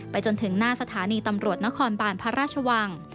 จนถึงหน้าสถานีตำรวจนครบานพระราชวัง